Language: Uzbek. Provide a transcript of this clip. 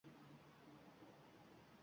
Yuqoridagilardan kelib chiqqan holda